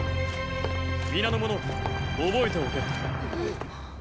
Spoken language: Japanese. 皆の者覚えておけ。？